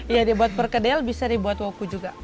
iya dia buat perkedel bisa dibuat woku juga